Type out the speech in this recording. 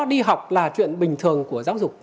đi học là chuyện bình thường của giáo dục